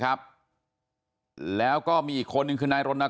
ครอบครัวญาติพี่น้องเขาก็โกรธแค้นมาทำแผนนะฮะ